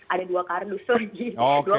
ada dua kardus lagi